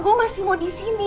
gue masih mau di sini